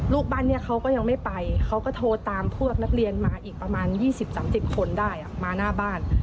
ลูกบ้านนี้เขาก็ยังไม่ไปเขาก็โทรตามพวกนักเรียนมาอีกประมาณ๒๐๓๐คนได้มาหน้าบ้าน